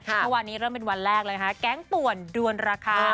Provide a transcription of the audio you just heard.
เพราะวันนี้เริ่มเป็นวันแรกแก๊งต่วนด้วนราคา